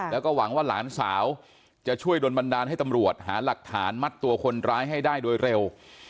แล้วก็หวังว่าหลานสาวจะช่วยโดนบันดาลให้ตำรวจหาหลักฐานมัดตัวคนร้ายให้ได้โดยเร็ว